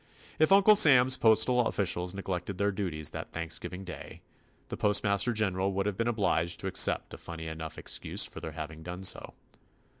If Uncle Sam's postal officials neglected their duties that Thanksgiving Day, the postmaster general would have been obliged to accept a funny enough excuse for their having done so.